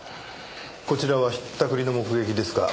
こちらはひったくりの目撃ですか。